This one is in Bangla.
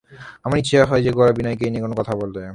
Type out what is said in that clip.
আমার ইচ্ছা নয় যে, গোরা বিনয়কে এ নিয়ে কোনো কথা বলে।